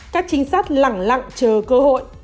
các trinh sát lặng lặng chờ cơ hội